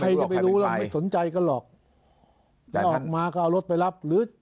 ใครจะไปรู้ไม่สนใจก็หรอกอะไรออกมาก็เอารถไปรับ